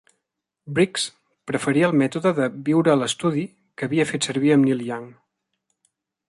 Briggs preferia el mètode de "viure a l'estudi" que havia fet servir amb Neil Young.